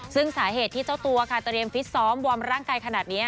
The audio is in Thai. ซึ่งสาเหตุที่เจ้าตัวค่ะเตรียมฟิตซ้อมวอร์มร่างกายขนาดนี้